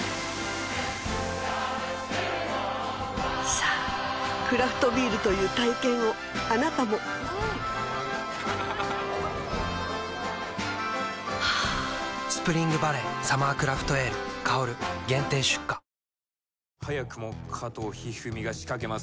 さぁクラフトビールという体験をあなたも「スプリングバレーサマークラフトエール香」限定出荷早くも加藤一二三が仕掛けます。